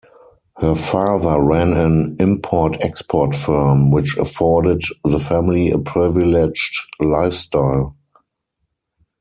Her father ran an import-export firm, which afforded the family a privileged lifestyle.